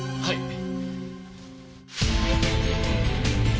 はい。